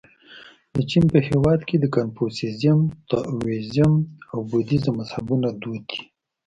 د چین په هېواد کې د کنفوسیزم، تائویزم او بودیزم مذهبونه دود دي.